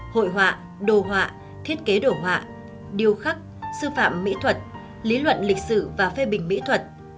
hội họa đồ họa thiết kế đồ họa điều khắc sư phạm mỹ thuật lý luận lịch sử và phê bình mỹ thuật